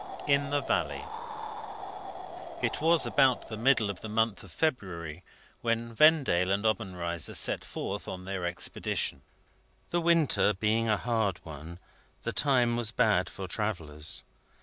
IN THE VALLEY It was about the middle of the month of February when Vendale and Obenreizer set forth on their expedition. The winter being a hard one, the time was bad for travellers.